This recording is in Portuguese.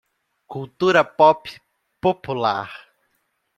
Cultura pop popular